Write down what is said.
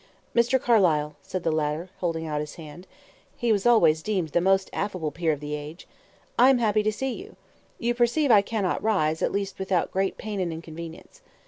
"Mr. Carlyle," said the latter, holding out his hand he was always deemed the most affable peer of the age "I am happy to see you. You perceive I cannot rise, at least without great pain and inconvenience.